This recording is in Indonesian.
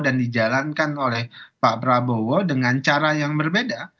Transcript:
dan dijalankan oleh pak prabowo dengan cara yang berbeda